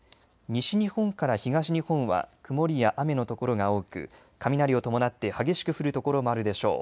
西日本から東日本は曇りや雨の所が多く雷を伴って激しく降る所もあるでしょう。